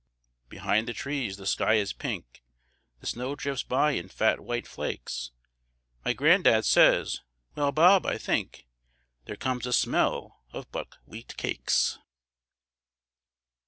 Behind the trees the sky is pink, The snow drifts by in fat white flakes, My gran'dad says: "Well, Bob, I think There comes a smell of buckwheat cakes."